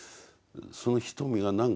その瞳が何かね